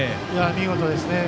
見事ですね。